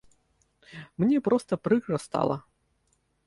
Мне проста прыкра стала.